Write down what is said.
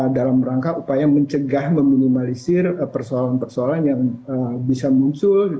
dalam rangka upaya mencegah meminimalisir persoalan persoalan yang bisa muncul